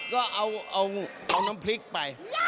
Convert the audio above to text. ก็เอาน้ำพริกไป